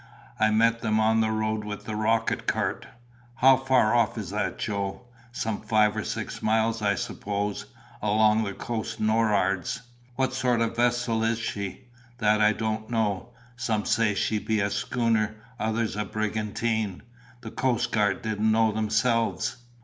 I met them on the road with the rocket cart." "How far off is that, Joe?" "Some five or six miles, I suppose, along the coast nor'ards." "What sort of a vessel is she?" "That I don't know. Some say she be a schooner, others a brigantine. The coast guard didn't know themselves."